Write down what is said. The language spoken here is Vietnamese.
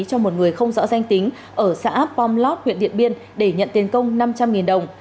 cho một người không rõ danh tính ở xã pomlot huyện điện biên để nhận tiền công năm trăm linh đồng